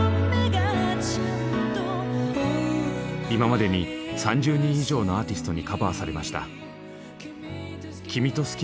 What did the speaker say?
今までに３０人以上のアーティストにカバーされました。